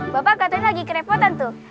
bapak katanya lagi kerepotan tuh